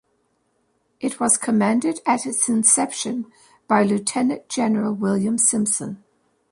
It was commanded at its inception by Lieutenant General William Simpson.